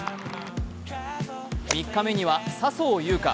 ３日目には、笹生優花。